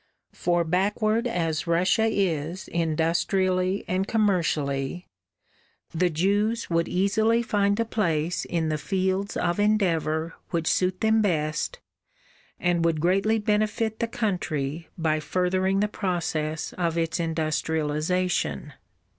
For, backward as Russia is industrially and commercially, the Jews would easily find a place in the fields of endeavour which suit them best and would greatly benefit the country by furthering the process of its industrialisation.